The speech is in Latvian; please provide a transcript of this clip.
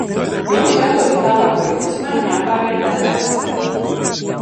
Jums jādodas tālāk līdz Usmai un jāpāriet ezers.